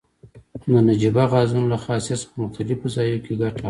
د نجیبه غازونو له خاصیت څخه په مختلفو ځایو کې ګټه اخلي.